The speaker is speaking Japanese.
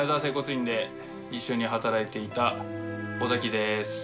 院で一緒に働いていた尾崎です。